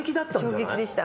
衝撃でした。